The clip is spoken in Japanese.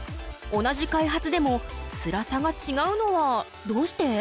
同じ開発でもつらさがちがうのはどうして？